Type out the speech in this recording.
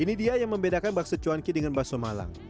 ini dia yang membedakan bakso cuanki dengan bakso malang